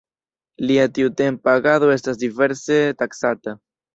Lia tiutempa agado estas diverse taksata.